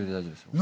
何？